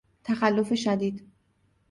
تخلف شدید